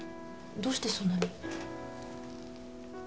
どうしてそんなに？